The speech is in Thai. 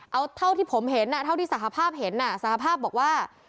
เอาเท่าที่ผมเห็นเท่าที่สารภาพเห็นสารภาพบอกว่า